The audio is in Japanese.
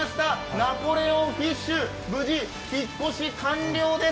ナポレオンフィッシュ、無事、引っ越し完了です！